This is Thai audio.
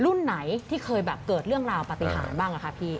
รุ่นไหนที่เคยเกิดบ้างเรื่องราวปฏิหารบ้างครับพี่